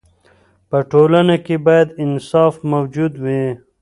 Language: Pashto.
په ټولنه کې باید انصاف موجود وي.